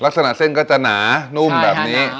ลักษณะเส้นก็จะหนานุ่มแบบนี้